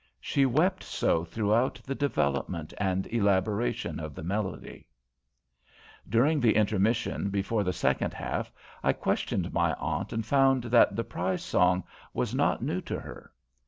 She wept so throughout the development and elaboration of the melody. During the intermission before the second half, I questioned my aunt and found that the "Prize Song" was not new to her.